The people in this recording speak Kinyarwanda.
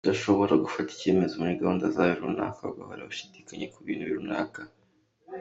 Kudashobora gufata icyemezo muri gahunda zawe runaka, ugahora ushidikanya ku bintu runaka.